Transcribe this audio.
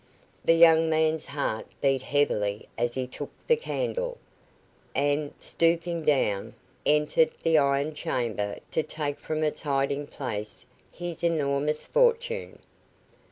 The young man's heart beat heavily as he took the candle, and, stooping down, entered the iron chamber to take from its hiding place his enormous fortune.